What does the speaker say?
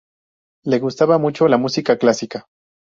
Le gustaba mucho la música clásica.